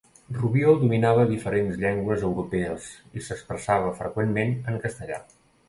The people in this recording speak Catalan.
Rubió dominava diferents llengües europees i s'expressava freqüentment en castellà.